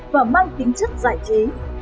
và mang tính chất giải trí